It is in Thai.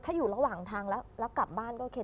ถ้าอยู่ระหว่างทางแล้วกลับบ้านก็โอเค